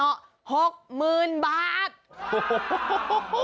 โอ้โฮโอ้โฮโอ้โฮโอ้โฮโอ้โฮ